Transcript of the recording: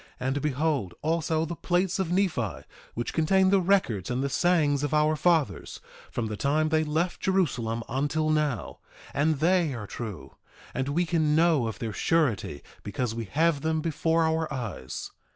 And behold, also the plates of Nephi, which contain the records and the sayings of our fathers from the time they left Jerusalem until now, and they are true; and we can know of their surety because we have them before our eyes.